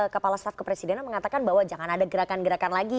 kepala staf kepresidenan mengatakan bahwa jangan ada gerakan gerakan lagi